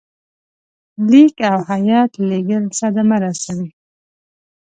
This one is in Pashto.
لیک او هیات لېږل صدمه رسوي.